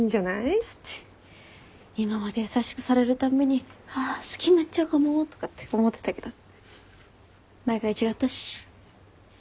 だって今まで優しくされるたんびにああ好きになっちゃうかもとかって思ってたけど毎回違ったし。